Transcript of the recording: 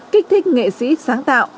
kích thích nghệ sĩ sáng tạo